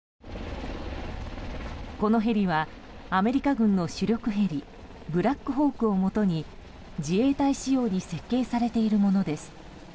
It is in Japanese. このヘリはアメリカ軍の主力ヘリ「ブラックホーク」をもとに自衛隊仕様に設計されているものです。